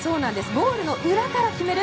ゴールの裏から決める